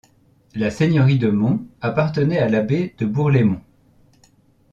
La seigneurie de Mont appartenait à l’abbé de Bourlémont.